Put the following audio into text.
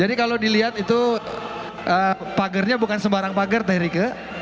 jadi kalau dilihat itu pagernya bukan sembarang pager teh rike